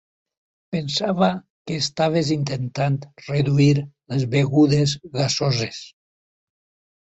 Pensava que estaves intentant reduir les begudes gasoses.